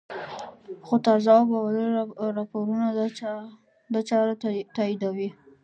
خو تازه او باوري راپورونه دا چاره تاییدوي